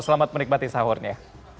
selamat menikmati sahurnya